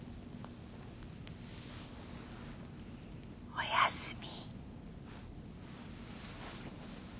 おやすみ。